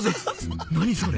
何それ。